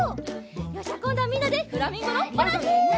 よしじゃあこんどはみんなでフラミンゴのバランス！